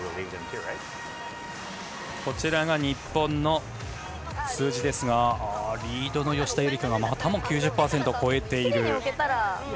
こちらが日本の数字ですがリードの吉田夕梨花がまたも９０％を超えている。